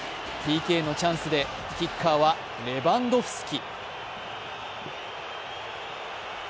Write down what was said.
ＰＫのチャンスでキッカーはレバンドフスキ。